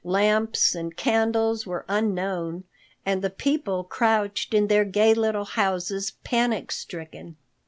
Lamps and candles were unknown and the people crouched in their gay little houses panic stricken.